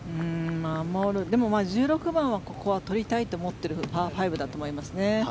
でも、１６番はここは取りたいと思っているパー５だと思いますね。